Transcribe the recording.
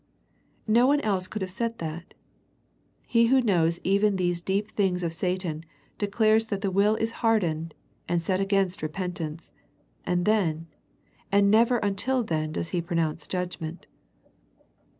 No one else could have said that. He Who knows even these deep things of Satan, declares that the will is hardened and set against repentance, and then, and never until then does He pronounce judgment.